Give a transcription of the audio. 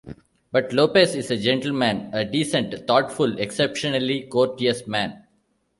But Lopez is a gentleman - a decent, thoughtful, exceptionally courteous man.